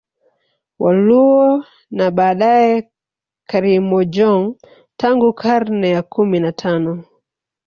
Waluo na baadae Karimojong tangu karne ya kumi na tano